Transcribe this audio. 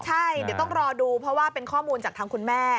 ใช่เดี๋ยวต้องรอดูเพราะว่าเป็นข้อมูลจากทางคุณแม่